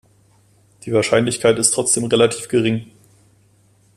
Die Wahrscheinlichkeit ist trotzdem relativ gering.